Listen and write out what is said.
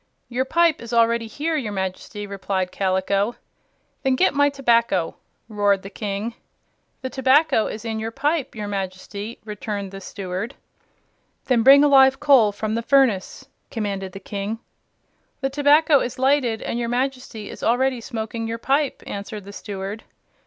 "Your pipe is already here, your Majesty," replied Kaliko. "Then get my tobacco!" roared the King. "The tobacco is in your pipe, your Majesty," returned the Steward. "Then bring a live coal from the furnace!" commanded the King. "The tobacco is lighted, and your Majesty is already smoking your pipe," answered the Steward.